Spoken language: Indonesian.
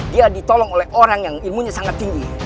dia ditolong oleh orang yang ilmunya sangat tinggi